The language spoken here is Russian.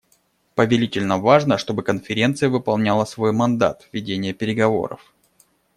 Повелительно важно, чтобы Конференция выполняла свой мандат: ведение переговоров.